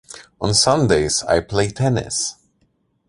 On Sundays, I play tennis.